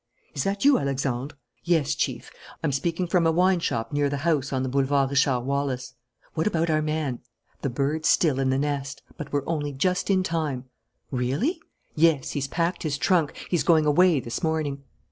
"Is that you, Alexandre?" "Yes, Chief. I'm speaking from a wine shop near the house on the Boulevard Richard Wallace." "What about our man?" "The bird's still in the nest. But we're only just in time." "Really?" "Yes, he's packed his trunk. He's going away this morning."